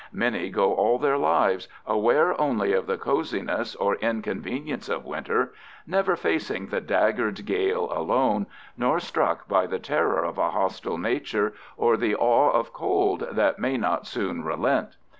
Many go all their lives, aware only of the coziness or inconvenience of winter, never facing the daggered gale alone, nor struck by the terror of a hostile Nature or the awe of cold that may not soon relent.